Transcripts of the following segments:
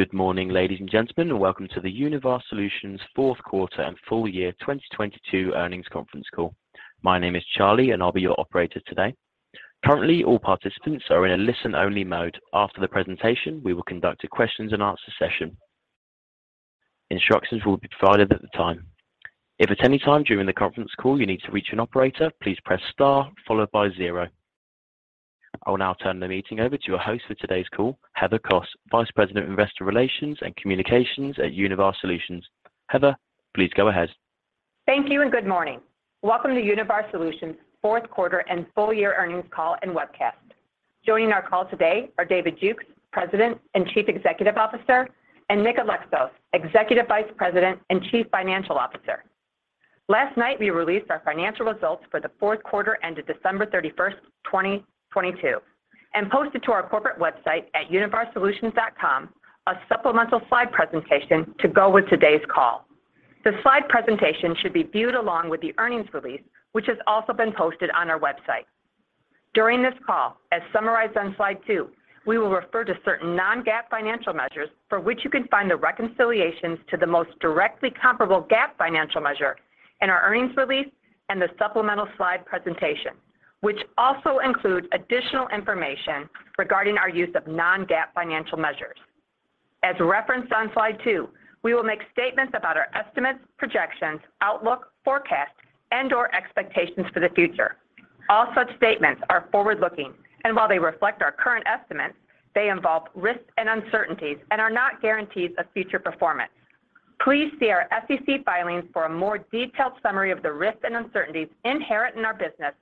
Good morning, ladies and gentlemen, and welcome to the Univar Solutions Q4 and full year 2022 Earnings Conference Call. My name is Charlie, and I'll be your operator today. Currently, all participants are in a listen-only mode. After the presentation, we will conduct a questions-and-answer session. Instructions will be provided at the time. If at any time during the conference call you need to reach an operator, please press star followed by zero. I will now turn the meeting over to your host for today's call, Heather Kos, Vice President of Investor Relations and Communications at Univar Solutions. Heather, please go ahead. Thank you and good morning. Welcome to Univar Solutions Q4 and full year earnings call and webcast. Joining our call today are David Jukes, President and Chief Executive Officer, and Nick Alexos, Executive Vice President and Chief Financial Officer. Last night, we released our financial results for the Q4 ended December 31, 2022, and posted to our corporate website at univarsolutions.com a supplemental slide presentation to go with today's call. The slide presentation should be viewed along with the earnings release, which has also been posted on our website. During this call, as summarized on slide two, we will refer to certain non-GAAP financial measures for which you can find the reconciliations to the most directly comparable GAAP financial measure in our earnings release and the supplemental slide presentation, which also include additional information regarding our use of non-GAAP financial measures. As referenced on slide two, we will make statements about our estimates, projections, outlook, forecasts, and/or expectations for the future. All such statements are forward-looking, and while they reflect our current estimates, they involve risks and uncertainties and are not guarantees of future performance. Please see our SEC filings for a more detailed summary of the risks and uncertainties inherent in our business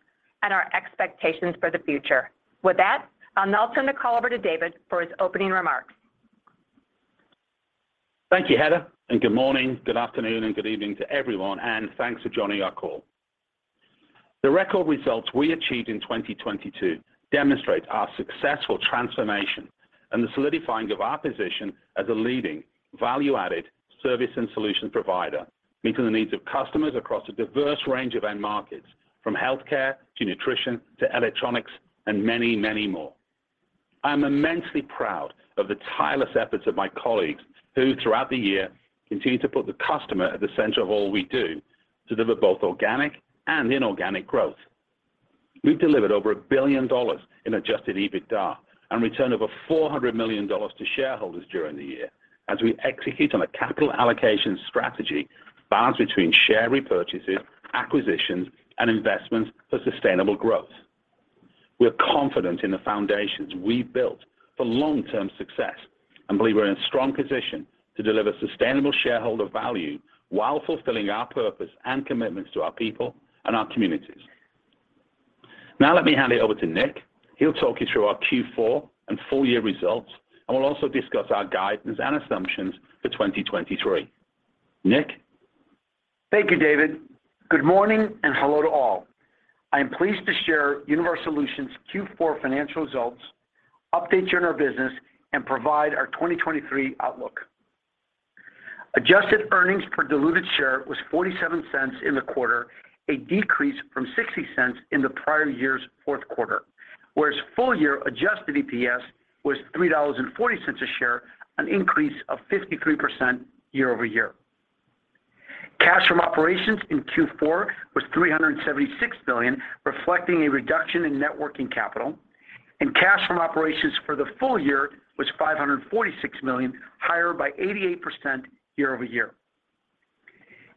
and our expectations for the future. With that, I'll now turn the call over to David for his opening remarks. Thank you, Heather. Good morning, good afternoon, and good evening to everyone. Thanks for joining our call. The record results we achieved in 2022 demonstrate our successful transformation and the solidifying of our position as a leading value-added service and solution provider, meeting the needs of customers across a diverse range of end markets, from healthcare to nutrition to electronics and many, many more. I am immensely proud of the tireless efforts of my colleagues who, throughout the year, continue to put the customer at the center of all we do to deliver both organic and inorganic growth. We've delivered over $1 billion in Adjusted EBITDA and returned over $400 million to shareholders during the year as we execute on a capital allocation strategy balanced between share repurchases, acquisitions, and investments for sustainable growth. We're confident in the foundations we've built for long-term success and believe we're in a strong position to deliver sustainable shareholder value while fulfilling our purpose and commitments to our people and our communities. Let me hand it over to Nick. He'll talk you through our Q4 and full year results and will also discuss our guidance and assumptions for 2023. Nick. Thank you, David. Good morning and hello to all. I am pleased to share Univar Solutions' Q4 financial results, update you on our business, and provide our 2023 outlook. Adjusted earnings per diluted share was $0.47 in the quarter, a decrease from $0.60 in the prior year's Q4, whereas full-year Adjusted EPS was $3.40 a share, an increase of 53% year-over-year. Cash from operations in Q4 was $376 million, reflecting a reduction in net working capital, and cash from operations for the full year was $546 million, higher by 88% year-over-year.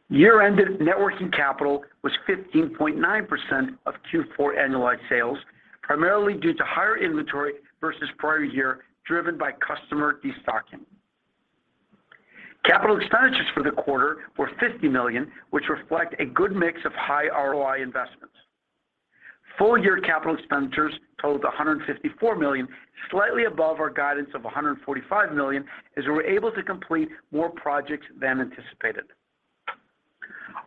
Year-ended net working capital was 15.9% of Q4 annualized sales, primarily due to higher inventory versus prior year, driven by customer destocking. Capital expenditures for the quarter were $50 million, which reflect a good mix of high ROI investments. Full-year capital expenditures totaled $154 million, slightly above our guidance of $145 million as we were able to complete more projects than anticipated.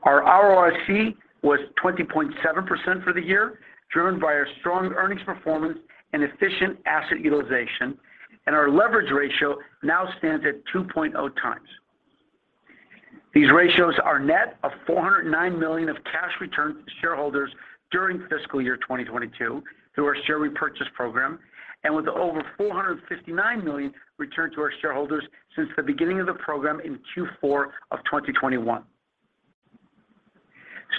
Our ROIC was 20.7% for the year, driven by our strong earnings performance and efficient asset utilization, and our leverage ratio now stands at 2.0 times. These ratios are net of $409 million of cash returned to shareholders during fiscal year 2022 through our share repurchase program and with over $459 million returned to our shareholders since the beginning of the program in Q4 of 2021.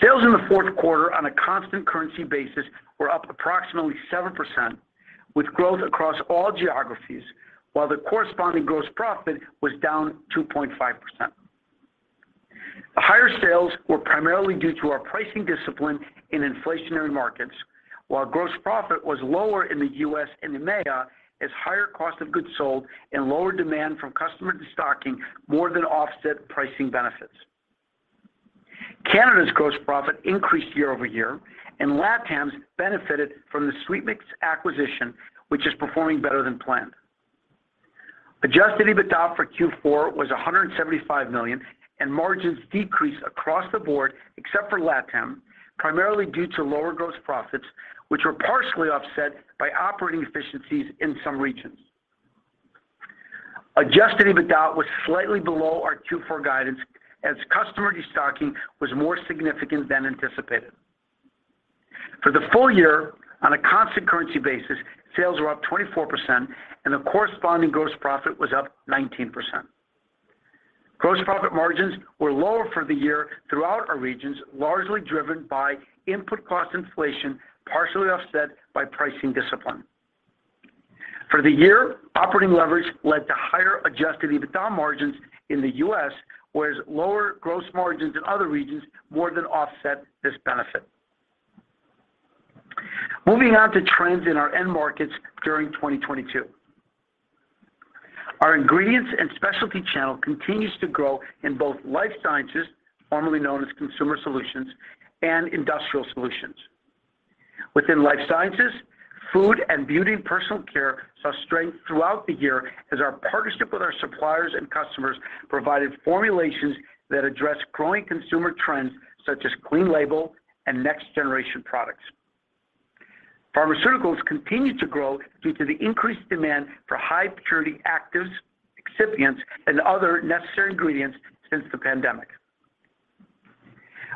Sales in the Q4 on a constant currency basis were up approximately 7% with growth across all geographies while the corresponding gross profit was down 2.5%. The higher sales were primarily due to our pricing discipline in inflationary markets, while gross profit was lower in the U.S. and EMEA as higher cost of goods sold and lower demand from customer destocking more than offset pricing benefits. Canada's gross profit increased year-over-year, and LatAm's benefited from the Sweetmix acquisition, which is performing better than planned. Adjusted EBITDA for Q4 was $175 million, and margins decreased across the board except for LatAm, primarily due to lower gross profits, which were partially offset by operating efficiencies in some regions. Adjusted EBITDA was slightly below our Q4 guidance as customer destocking was more significant than anticipated. For the full year, on a constant currency basis, sales were up 24% and the corresponding gross profit was up 19%. Gross profit margins were lower for the year throughout our regions, largely driven by input cost inflation, partially offset by pricing discipline. For the year, operating leverage led to higher Adjusted EBITDA margins in the U.S., whereas lower gross margins in other regions more than offset this benefit. Moving on to trends in our end markets during 2022. Our ingredients and specialty channel continues to grow in both life sciences, formerly known as consumer solutions, and industrial solutions. Within life sciences, food and beauty and personal care saw strength throughout the year as our partnership with our suppliers and customers provided formulations that address growing consumer trends such as clean label and next-generation products. Pharmaceuticals continued to grow due to the increased demand for high-purity actives, excipients, and other necessary ingredients since the pandemic.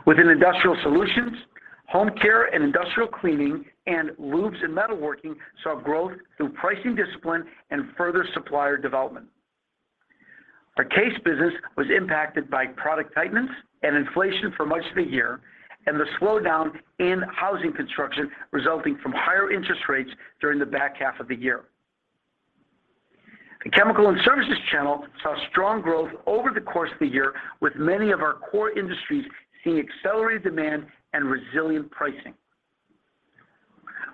Within industrial solutions, home care and industrial cleaning and lubes and metalworking saw growth through pricing discipline and further supplier development. Our CASE business was impacted by product tightness and inflation for much of the year and the slowdown in housing construction resulting from higher interest rates during the back half of the year. The chemical and services channel saw strong growth over the course of the year, with many of our core industries seeing accelerated demand and resilient pricing.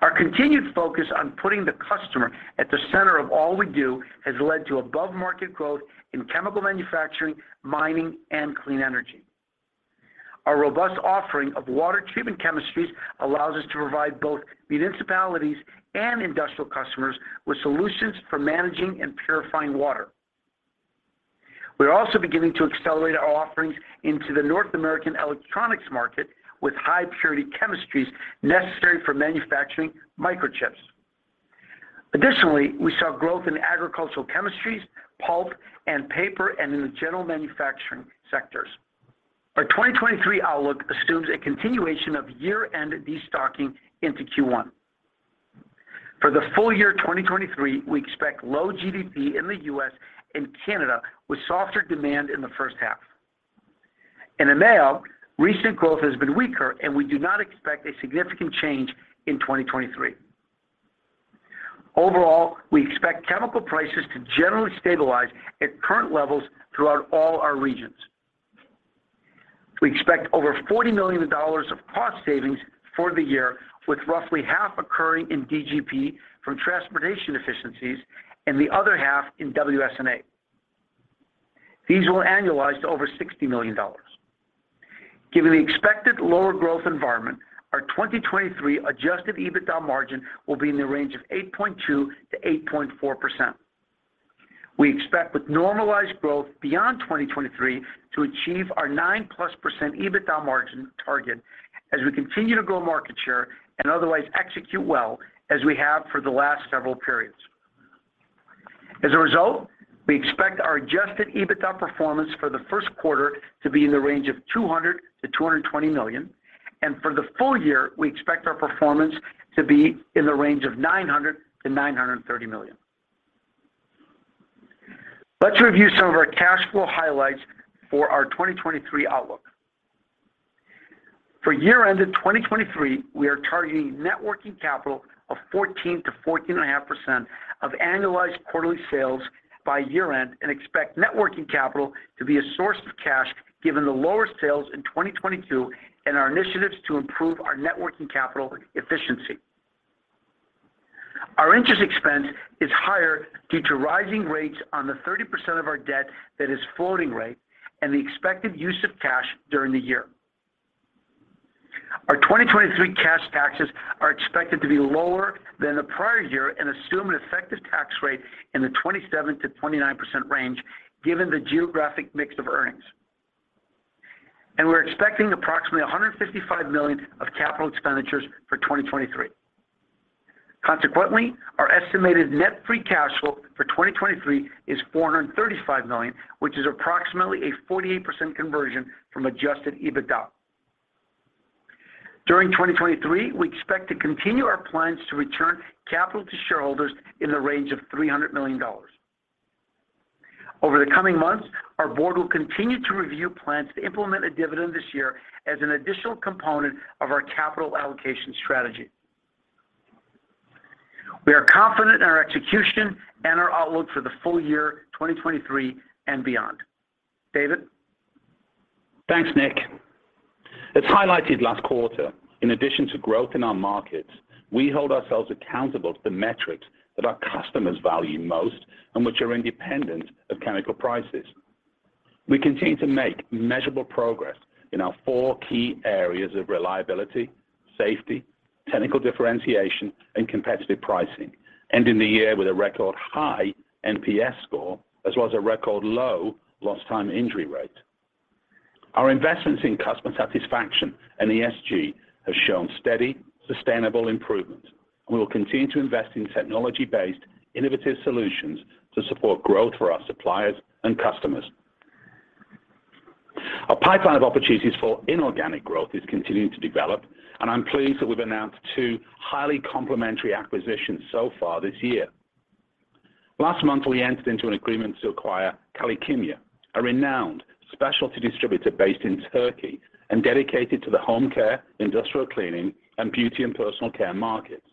Our continued focus on putting the customer at the center of all we do has led to above-market growth in chemical manufacturing, mining, and clean energy. Our robust offering of water treatment chemistries allows us to provide both municipalities and industrial customers with solutions for managing and purifying water. We are also beginning to accelerate our offerings into the North American electronics market with high-purity chemistries necessary for manufacturing microchips. We saw growth in agricultural chemistries, pulp and paper, and in the general manufacturing sectors. Our 2023 outlook assumes a continuation of year-end destocking into Q1. For the full year 2023, we expect low GDP in the U.S. and Canada, with softer demand in the first half. In EMEA, recent growth has been weaker. We do not expect a significant change in 2023. Overall, we expect chemical prices to generally stabilize at current levels throughout all our regions. We expect over $40 million of cost savings for the year, with roughly half occurring in DGP from transportation efficiencies and the other half in WS&A. These will annualize to over $60 million. Given the expected lower growth environment, our 2023 Adjusted EBITDA margin will be in the range of 8.2%-8.4%. We expect with normalized growth beyond 2023 to achieve our 9-plus% EBITDA margin target as we continue to grow market share and otherwise execute well as we have for the last several periods. As a result, we expect our Adjusted EBITDA performance for the first quarter to be in the range of $200 million-$220 million, and for the full year, we expect our performance to be in the range of $900 million-$930 million. Let's review some of our cash flow highlights for our 2023 outlook. For year-end in 2023, we are targeting net working capital of 14%-14.5% of annualized quarterly sales by year-end and expect net working capital to be a source of cash given the lower sales in 2022 and our initiatives to improve our net working capital efficiency. Our interest expense is higher due to rising rates on the 30% of our debt that is floating rate and the expected use of cash during the year. Our 2023 cash taxes are expected to be lower than the prior year and assume an effective tax rate in the 27%-29% range given the geographic mix of earnings. We're expecting approximately $155 million of capital expenditures for 2023. Consequently, our estimated net free cash flow for 2023 is $435 million, which is approximately a 48% conversion from Adjusted EBITDA. During 2023, we expect to continue our plans to return capital to shareholders in the range of $300 million. Over the coming months, our board will continue to review plans to implement a dividend this year as an additional component of our capital allocation strategy. We are confident in our execution and our outlook for the full year 2023 and beyond. David? Thanks, Nick. As highlighted last quarter, in addition to growth in our markets, we hold ourselves accountable to the metrics that our customers value most and which are independent of chemical prices. We continue to make measurable progress in our four key areas of reliability, safety, technical differentiation, and competitive pricing, ending the year with a record high NPS score as well as a record low lost time injury rate. Our investments in customer satisfaction and ESG have shown steady, sustainable improvement, and we will continue to invest in technology-based innovative solutions to support growth for our suppliers and customers. A pipeline of opportunities for inorganic growth is continuing to develop, and I'm pleased that we've announced two highly complementary acquisitions so far this year. Last month, we entered into an agreement to acquire Kale Kimya, a renowned specialty distributor based in Turkey and dedicated to the home care, industrial cleaning, and beauty and personal care markets.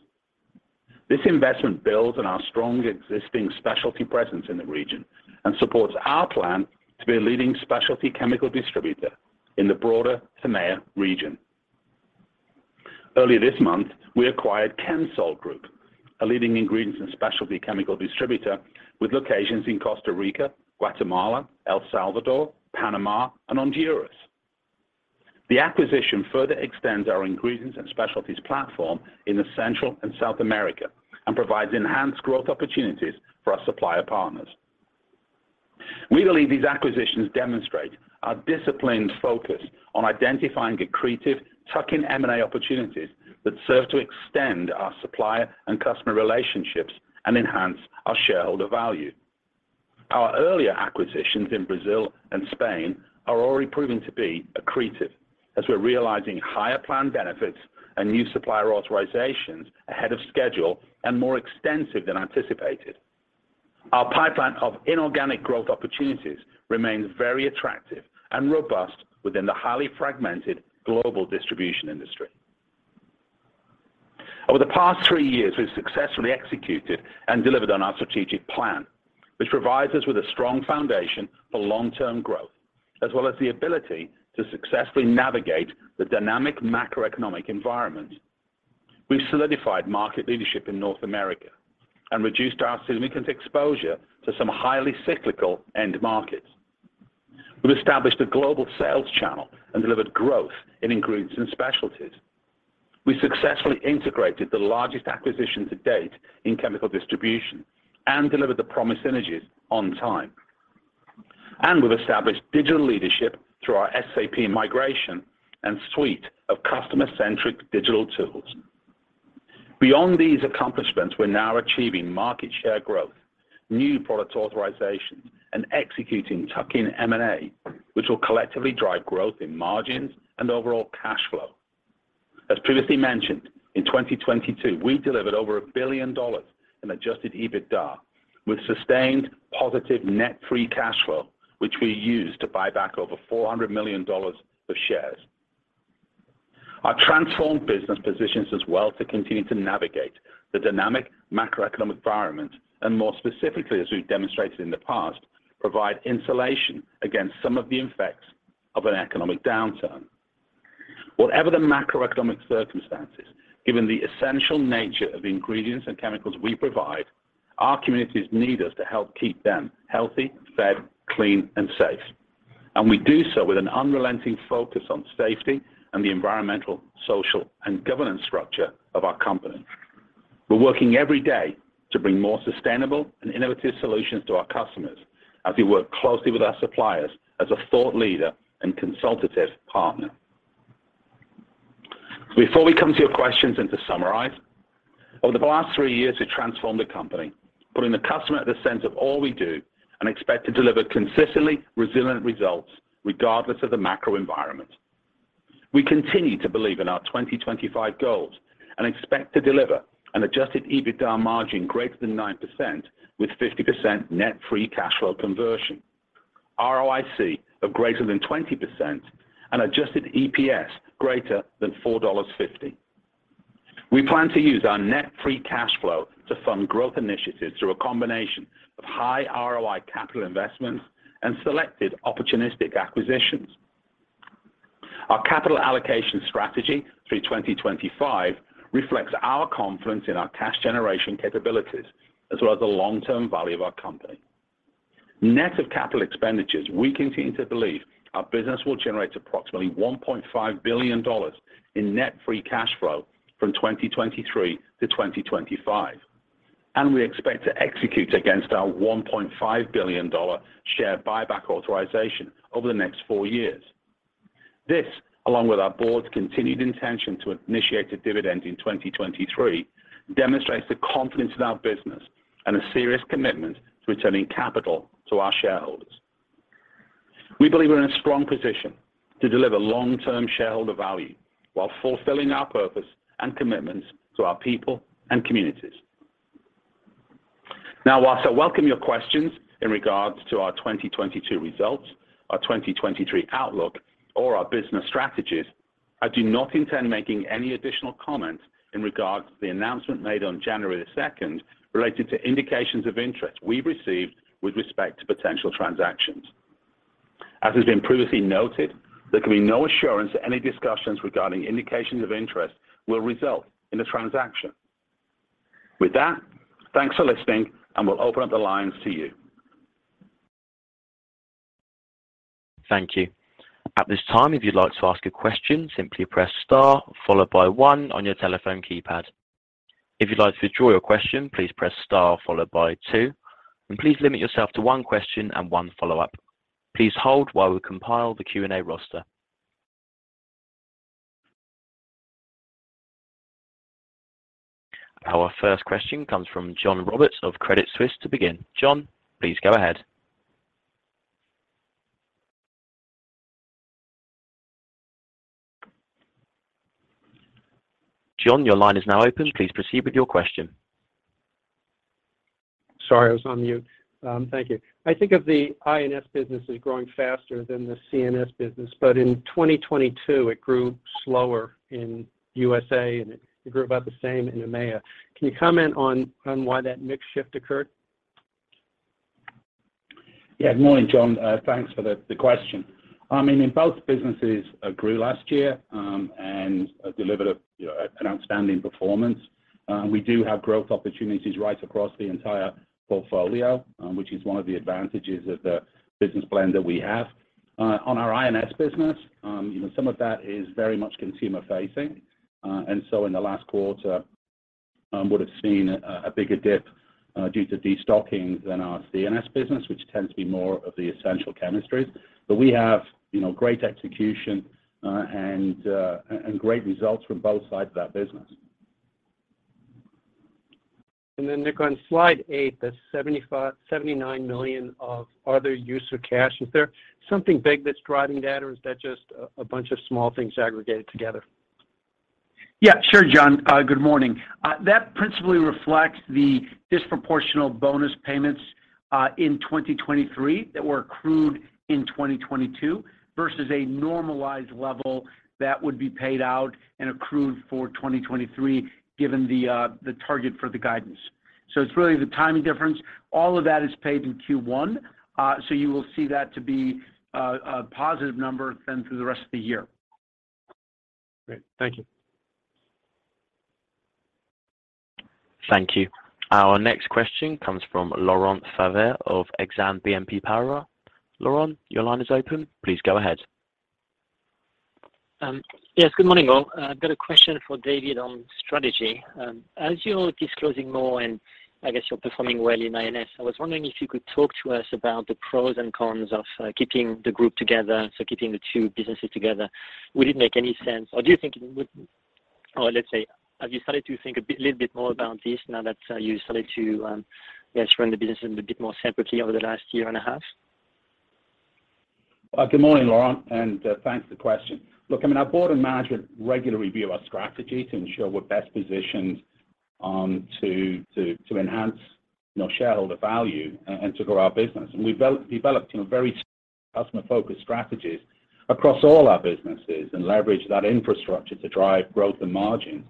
This investment builds on our strong existing specialty presence in the region and supports our plan to be a leading specialty chemical distributor in the broader EMEA region. Earlier this month, we acquired ChemSol Group, a leading ingredients and specialty chemical distributor with locations in Costa Rica, Guatemala, El Salvador, Panama, and Honduras. The acquisition further extends our ingredients and specialties platform in Central and South America and provides enhanced growth opportunities for our supplier partners. We believe these acquisitions demonstrate our disciplined focus on identifying accretive tuck-in M&A opportunities that serve to extend our supplier and customer relationships and enhance our shareholder value. Our earlier acquisitions in Brazil and Spain are already proving to be accretive as we're realizing higher planned benefits and new supplier authorizations ahead of schedule and more extensive than anticipated. Our pipeline of inorganic growth opportunities remains very attractive and robust within the highly fragmented global distribution industry. Over the past three years, we've successfully executed and delivered on our strategic plan, which provides us with a strong foundation for long-term growth, as well as the ability to successfully navigate the dynamic macroeconomic environment. We've solidified market leadership in North America and reduced our significant exposure to some highly cyclical end markets. We've established a global sales channel and delivered growth in ingredients and specialties. We successfully integrated the largest acquisition to date in chemical distribution and delivered the promised synergies on time. We've established digital leadership through our SAP migration and suite of customer-centric digital tools. Beyond these accomplishments, we're now achieving market share growth, new product authorizations, and executing tuck-in M&A, which will collectively drive growth in margins and overall cash flow. As previously mentioned, in 2022, we delivered over $1 billion in Adjusted EBITDA with sustained positive net free cash flow, which we used to buy back over $400 million of shares. Our transformed business positions us well to continue to navigate the dynamic macroeconomic environment, and more specifically, as we've demonstrated in the past, provide insulation against some of the effects of an economic downturn. Whatever the macroeconomic circumstances, given the essential nature of ingredients and chemicals we provide, our communities need us to help keep them healthy, fed, clean, and safe. We do so with an unrelenting focus on safety and the Environmental, Social, and Governance structure of our company. We're working every day to bring more sustainable and innovative solutions to our customers as we work closely with our suppliers as a thought leader and consultative partner. Before we come to your questions and to summarize, over the last three years, we transformed the company, putting the customer at the center of all we do and expect to deliver consistently resilient results regardless of the macro environment. We continue to believe in our 2025 goals and expect to deliver an Adjusted EBITDA margin greater than 9% with 50% net free cash flow conversion, ROIC of greater than 20% and Adjusted EPS greater than $4.50. We plan to use our net free cash flow to fund growth initiatives through a combination of high ROI capital investments and selected opportunistic acquisitions. Our capital allocation strategy through 2025 reflects our confidence in our cash generation capabilities as well as the long-term value of our company. Net of capital expenditures, we continue to believe our business will generate approximately $1.5 billion in net free cash flow from 2023 to 2025. We expect to execute against our $1.5 billion share buyback authorization over the next four years. This, along with our board's continued intention to initiate a dividend in 2023, demonstrates the confidence in our business and a serious commitment to returning capital to our shareholders. We believe we're in a strong position to deliver long-term shareholder value while fulfilling our purpose and commitments to our people and communities. While I welcome your questions in regards to our 2022 results, our 2023 outlook or our business strategies, I do not intend making any additional comments in regards to the announcement made on January 2nd related to indications of interest we received with respect to potential transactions. As has been previously noted, there can be no assurance that any discussions regarding indications of interest will result in a transaction. With that, thanks for listening, and we'll open up the lines to you. Thank you. At this time, if you'd like to ask a question, simply press star followed by one on your telephone keypad. If you'd like to withdraw your question, please press star followed by two. Please limit yourself to one question and one follow-up. Please hold while we compile the Q&A roster. Our first question comes from John Roberts of Credit Suisse to begin. John, please go ahead. John, your line is now open. Please proceed with your question. Sorry, I was on mute. Thank you. I think of the INS business as growing faster than the CNS business, but in 2022 it grew slower in USA, and it grew about the same in EMEA. Can you comment on why that mix shift occurred? Yeah. Morning, John. Thanks for the question. I mean, and both businesses grew last year and delivered a, you know, an outstanding performance. We do have growth opportunities right across the entire portfolio, which is one of the advantages of the business plan that we have. On our INS business, you know, some of that is very much consumer facing. In the last quarter, would have seen a bigger dip due to destocking than our CNS business, which tends to be more of the essential chemistries. We have, you know, great execution and great results from both sides of that business. Nick, on slide 8, the $79 million of other use of cash. Is there something big that's driving that, or is that just a bunch of small things aggregated together? Yeah. Sure, John. Good morning. That principally reflects the disproportional bonus payments in 2023 that were accrued in 2022 versus a normalized level that would be paid out and accrued for 2023, given the target for the guidance. It's really the timing difference. All of that is paid in Q1, so you will see that to be a positive number then through the rest of the year. Great. Thank you. Thank you. Our next question comes from Laurent Favre of Exane BNP Paribas. Laurent, your line is open. Please go ahead. Yes. Good morning, all. I've got a question for David on strategy. As you're disclosing more, and I guess you're performing well in INS, I was wondering if you could talk to us about the pros and cons of keeping the group together, so keeping the two businesses together. Would it make any sense, or let's say, have you started to think a little bit more about this now that you started to, I guess, run the business a bit more separately over the last year and a half? Good morning, Laurent, thanks for the question. Look, I mean, our board and management regularly review our strategy to ensure we're best positioned to enhance, you know, shareholder value and to grow our business. We've developed, you know, very customer-focused strategies across all our businesses and leveraged that infrastructure to drive growth and margins.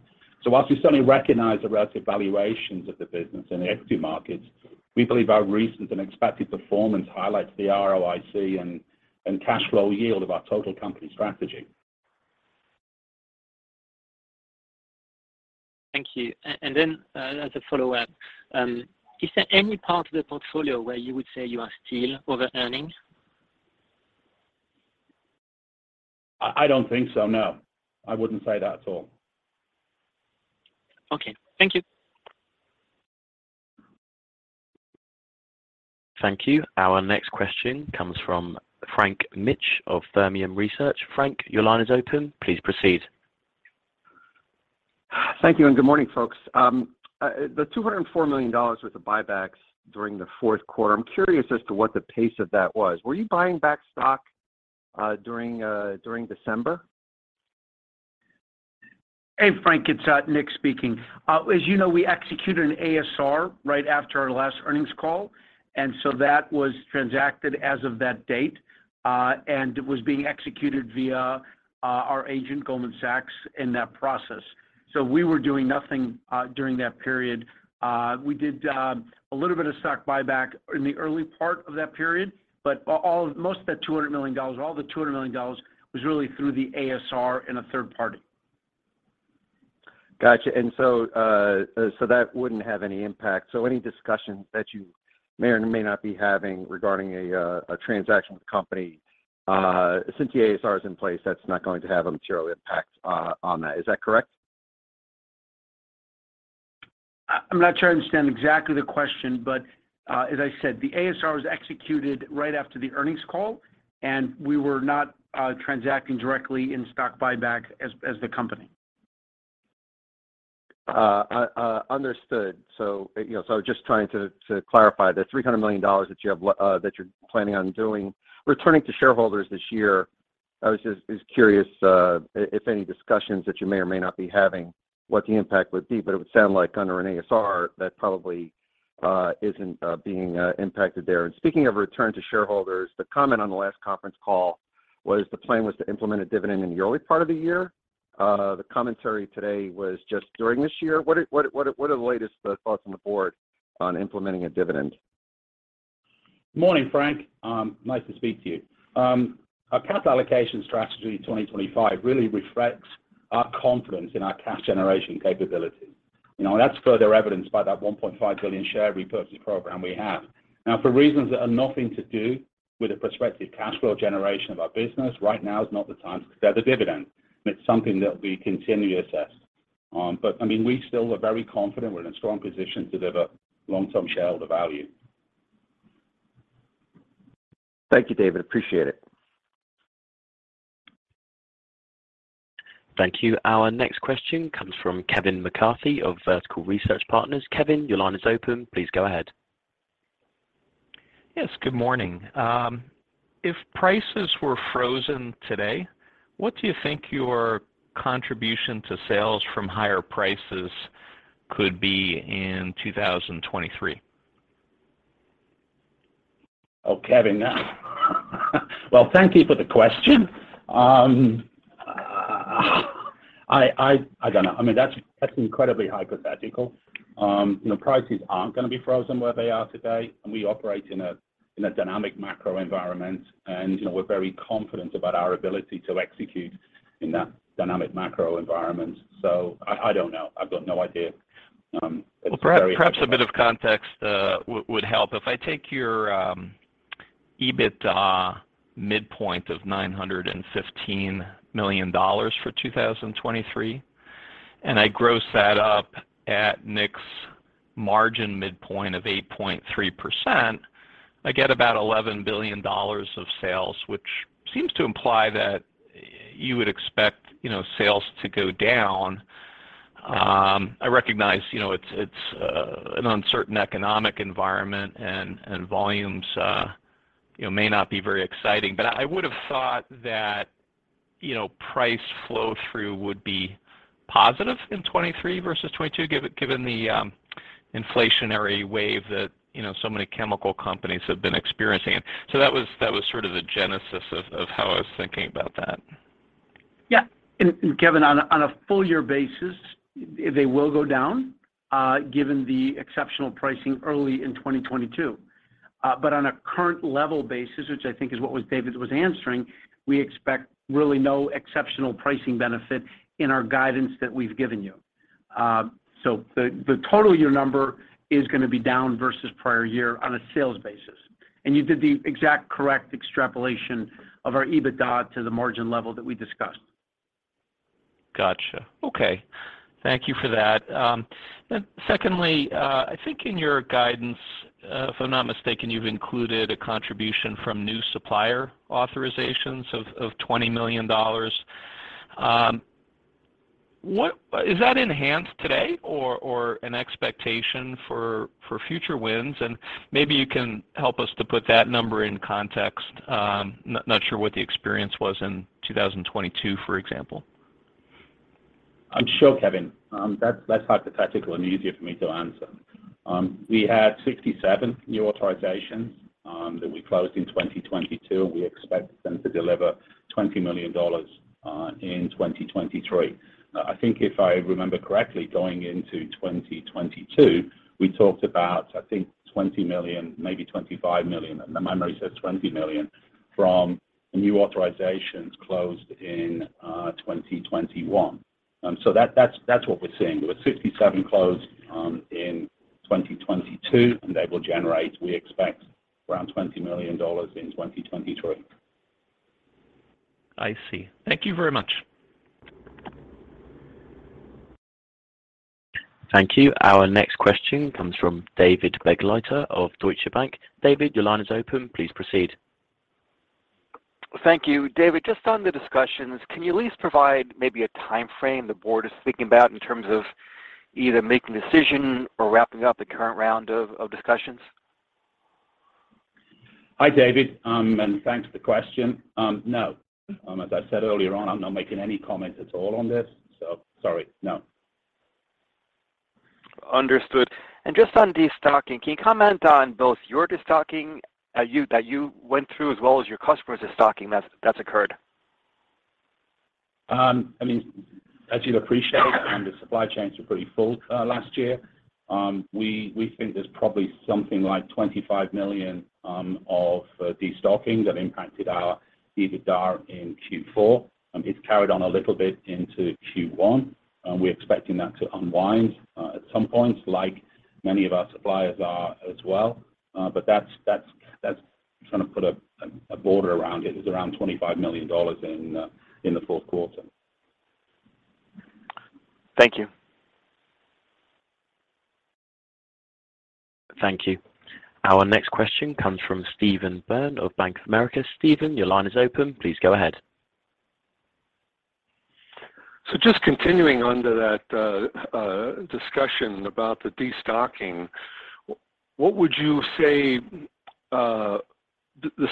Whilst we certainly recognize the relative valuations of the business in the equity markets, we believe our recent and expected performance highlights the ROIC and cash flow yield of our total company strategy. Thank you. As a follow-up, is there any part of the portfolio where you would say you are still overearning? I don't think so, no. I wouldn't say that at all. Okay. Thank you. Thank you. Our next question comes from Frank Mitsch of Fermium Research. Frank, your line is open. Please proceed. Thank you, good morning, folks. The $204 million worth of buybacks during the Q4, I'm curious as to what the pace of that was. Were you buying back stock during December? Hey, Frank, it's Nick speaking. As you know, we executed an ASR right after our last earnings call. That was transacted as of that date, and it was being executed via our agent, Goldman Sachs, in that process. We were doing nothing during that period. We did a little bit of stock buyback in the early part of that period, but most of that $200 million or all the $200 million was really through the ASR and a third party. Gotcha. So that wouldn't have any impact. Any discussions that you may or may not be having regarding a transaction with the company, since the ASR is in place, that's not going to have a material impact on that. Is that correct? I'm not sure I understand exactly the question, but, as I said, the ASR was executed right after the earnings call, and we were not transacting directly in stock buyback as the company. Understood. So, you know, just trying to clarify. The $300 million that you have that you are planning on doing, returning to shareholders this year, I was just curious if any discussions that you may or may not be having, what the impact would be. But it would sound like under an ASR that probably isn't being impacted there. And speaking of return to shareholders, the comment on the last conference call was the plan was to implement a dividend in the early part of the year. The commentary today was just during this year. What are, what are, what are the latest thoughts on the board on implementing a dividend? Morning, Frank. Nice to speak to you. Our capital allocation strategy 2025 really reflects our confidence in our cash generation capability. You know, that's further evidenced by that $1.5 billion share repurchase program we have. Now, for reasons that are nothing to do with the prospective cash flow generation of our business, right now is not the time to consider the dividend, and it's something that we continually assess. I mean, we still are very confident we're in a strong position to deliver long-term shareholder value. Thank you, David. Appreciate it. Thank you. Our next question comes from Kevin McCarthy of Vertical Research Partners. Kevin, your line is open. Please go ahead. Yes, good morning. If prices were frozen today, what do you think your contribution to sales from higher prices could be in 2023? Oh, Kevin. Well, thank you for the question. I don't know. I mean, that's incredibly hypothetical. You know, prices aren't gonna be frozen where they are today, and we operate in a dynamic macro environment, and, you know, we're very confident about our ability to execute in that dynamic macro environment. I don't know. I've got no idea. It's very hypothetical. Well, perhaps a bit of context would help. If I take your EBITDA midpoint of $915 million for 2023, and I gross that up at Nick's margin midpoint of 8.3%, I get about $11 billion of sales, which seems to imply that you would expect, you know, sales to go down. I recognize, you know, it's an uncertain economic environment and volumes, you know, may not be very exciting. I would have thought that, you know, price flow-through would be positive in 2023 versus 2022, given the inflationary wave that, you know, so many chemical companies have been experiencing. That was sort of the genesis of how I was thinking about that. Kevin, on a full year basis, they will go down, given the exceptional pricing early in 2022. On a current level basis, which I think is what David was answering, we expect really no exceptional pricing benefit in our guidance that we've given you. The total year number is gonna be down versus prior year on a sales basis. You did the exact correct extrapolation of our EBITDA to the margin level that we discussed. Gotcha. Okay. Thank you for that. Secondly, I think in your guidance, if I'm not mistaken, you've included a contribution from new supplier authorizations of $20 million. Is that enhanced today or an expectation for future wins? Maybe you can help us to put that number in context. Not sure what the experience was in 2022, for example. I'm sure, Kevin. That's hypothetical and easier for me to answer. We had 67 new authorizations that we closed in 2022. We expect them to deliver $20 million in 2023. I think if I remember correctly, going into 2022, we talked about, I think, $20 million, maybe $25 million. My memory says $20 million from new authorizations closed in 2021. That's what we're seeing. There was 67 closed in 2022, and they will generate, we expect, around $20 million in 2023. I see. Thank you very much. Thank you. Our next question comes from David Begleiter of Deutsche Bank. David, your line is open. Please proceed. Thank you. David, just on the discussions, can you at least provide maybe a timeframe the board is thinking about in terms of either making a decision or wrapping up the current round of discussions? Hi, David, and thanks for the question. No. As I said earlier on, I'm not making any comments at all on this. Sorry. No. Understood. Just on destocking, can you comment on both your destocking that you went through as well as your customers destocking that's occurred? I mean, as you'd appreciate, the supply chains were pretty full last year. We think there's probably something like 25 million of destocking that impacted our Adjusted EBITDA in Q4. It's carried on a little bit into Q1. We're expecting that to unwind at some point, like many of our suppliers are as well. That's trying to put a border around it. It's around $25 million in the Q4. Thank you. Thank you. Our next question comes from Steven Byrne of Bank of America. Steven, your line is open. Please go ahead. Just continuing on to that discussion about the destocking, what would you say the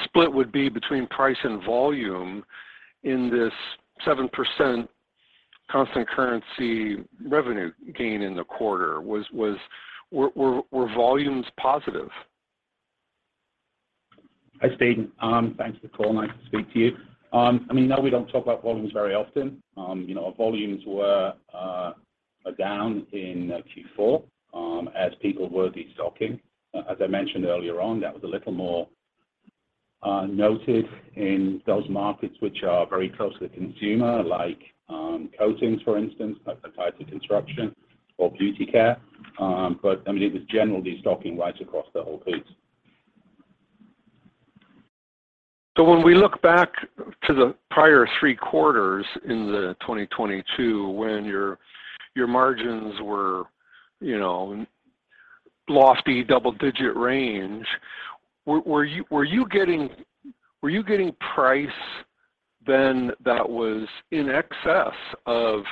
split would be between price and volume in this 7% constant currency revenue gain in the quarter? Were volumes positive? Hi, Steven. Thanks for the call. Nice to speak to you. I mean, no, we don't talk about volumes very often. You know, our volumes were down in Q4, as people were destocking. As I mentioned earlier on, that was a little more noticed in those markets which are very close to the consumer, like coatings, for instance, like for types of construction or beauty care. I mean, it was general destocking right across the whole piece. When we look back to the prior Q3 in 2022 when your margins were, you know, lofty double-digit range. Were you getting price then that was in excess of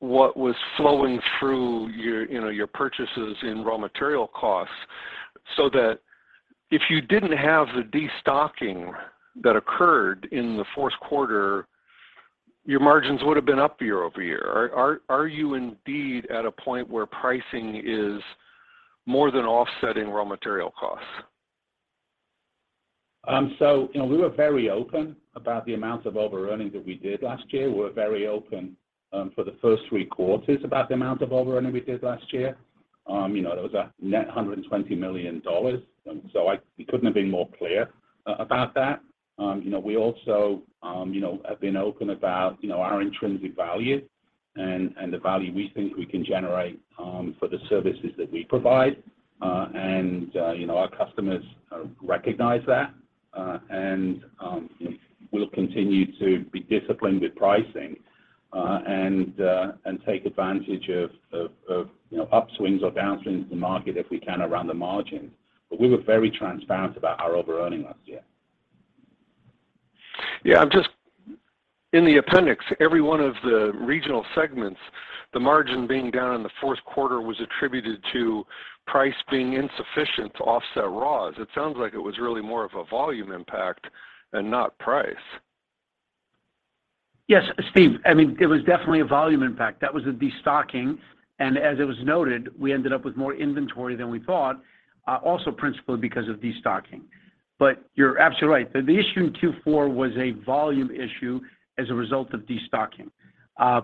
what was flowing through your purchases in raw material costs so that if you didn't have the destocking that occurred in the Q4, your margins would have been up year-over-year? Are you indeed at a point where pricing is more than offsetting raw material costs? You know, we were very open about the amount of overearning that we did last year. We were very open for the first Q3 about the amount of overearning we did last year. You know, there was a net $120 million, so we couldn't have been more clear about that. You know, we also, you know, have been open about, you know, our intrinsic value and the value we think we can generate for the services that we provide. You know, our customers recognize that. We'll continue to be disciplined with pricing, and, take advantage of, you know, upswings or downswings in the market if we can around the margins. We were very transparent about our overearning last year. Yeah, In the appendix, every one of the regional segments, the margin being down in the Q4 was attributed to price being insufficient to offset raws. It sounds like it was really more of a volume impact and not price. Yes, Steve. I mean, it was definitely a volume impact. That was a destocking. As it was noted, we ended up with more inventory than we thought, also principally because of destocking. You're absolutely right. The issue in Q4 was a volume issue as a result of destocking.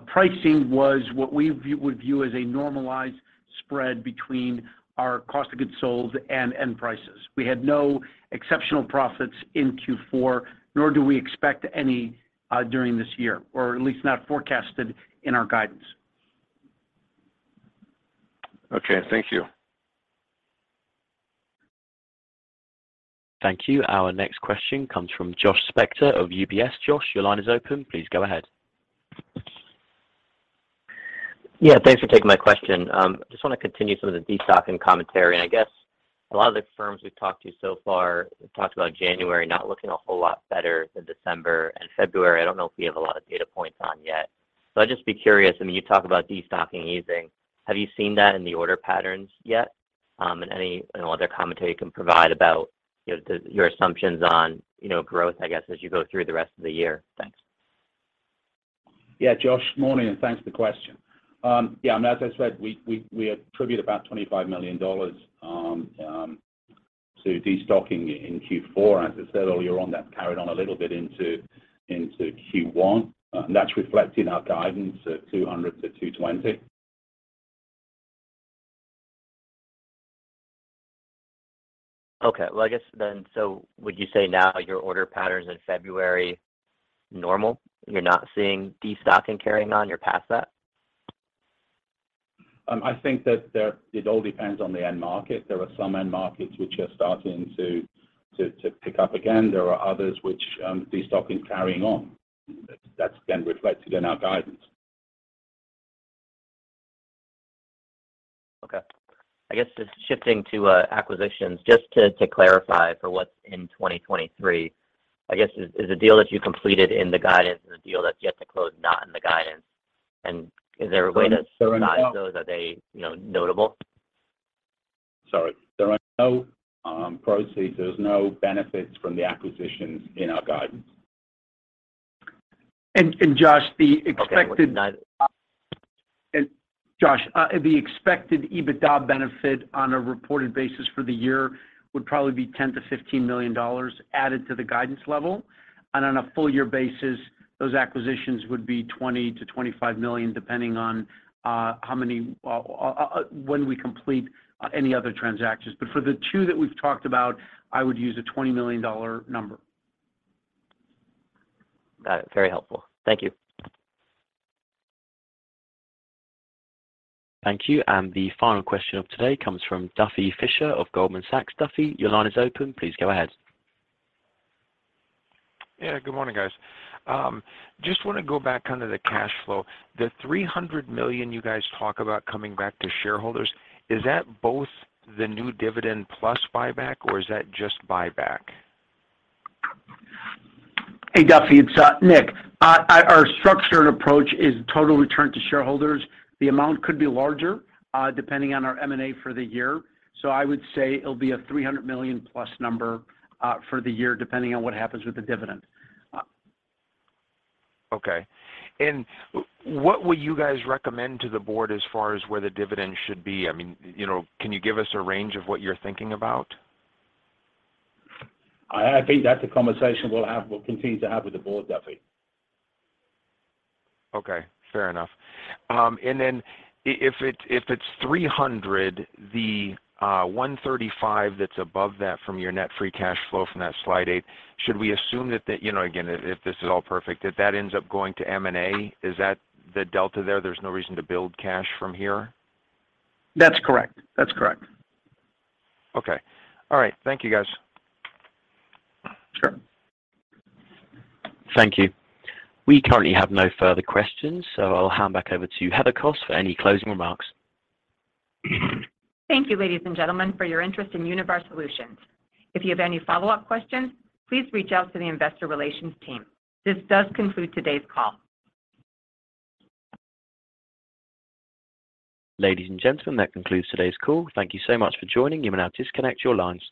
Pricing was what we would view as a normalized spread between our cost of goods sold and end prices. We had no exceptional profits in Q4, nor do we expect any during this year, or at least not forecasted in our guidance. Okay, thank you. Thank you. Our next question comes from Joshua Spector of UBS. Josh, your line is open. Please go ahead. Yeah, thanks for taking my question. Just want to continue some of the destocking commentary. I guess a lot of the firms we've talked to so far have talked about January not looking a whole lot better than December and February. I don't know if we have a lot of data points on yet. I'd just be curious, I mean, you talk about destocking easing. Have you seen that in the order patterns yet? Any other commentary you can provide about, you know, the, your assumptions on, you know, growth, I guess, as you go through the rest of the year. Thanks. Yeah, Josh, morning, and thanks for the question. Yeah, as I said, we attribute about $25 million to destocking in Q4. As I said earlier on, that carried on a little bit into Q1. That's reflected in our guidance of $200 million-$220 million. Well, I guess then, so would you say now your order pattern's in February normal? You're not seeing destocking carrying on, you're past that? I think that it all depends on the end market. There are some end markets which are starting to pick up again. There are others which destocking is carrying on. That's then reflected in our guidance. Okay. I guess just shifting to acquisitions, just to clarify for what's in 2023. I guess, is the deal that you completed in the guidance and the deal that's yet to close not in the guidance? Is there a way to size those? Are they, you know, notable? Sorry. There are no proceeds. There's no benefits from the acquisitions in our guidance. Josh. Okay. Josh, the expected EBITDA benefit on a reported basis for the year would probably be $10 million-$15 million added to the guidance level. On a full year basis, those acquisitions would be $20 million-$25 million, depending on how many, when we complete any other transactions. For the two that we've talked about, I would use a $20 million number. Got it. Very helpful. Thank you. Thank you. The final question of today comes from Duffy Fischer of Goldman Sachs. Duffy, your line is open. Please go ahead. Yeah, good morning, guys. Just wanna go back onto the cash flow. The $300 million you guys talk about coming back to shareholders, is that both the new dividend plus buyback or is that just buyback? Hey, Duffy, it's Nick. Our structured approach is total return to shareholders. The amount could be larger, depending on our M&A for the year. I would say it'll be a $300 million-plus number for the year, depending on what happens with the dividend. Okay. What would you guys recommend to the board as far as where the dividend should be? I mean, you know, can you give us a range of what you're thinking about? I think that's a conversation we'll continue to have with the board, Duffy. Okay, fair enough. Then if it's $300, the $135 that's above that from your net free cash flow from that slide 8, should we assume that the, you know, again, if this is all perfect, that that ends up going to M&A? Is that the delta there? There's no reason to build cash from here. That's correct. That's correct. Okay. All right. Thank you, guys. Sure. Thank you. We currently have no further questions, so I'll hand back over to Heather Kos for any closing remarks. Thank you, ladies and gentlemen, for your interest in Univar Solutions. If you have any follow-up questions, please reach out to the investor relations team. This does conclude today's call. Ladies and gentlemen, that concludes today's call. Thank you so much for joining. You may now disconnect your lines.